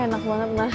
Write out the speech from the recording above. enak banget enak